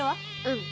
うん。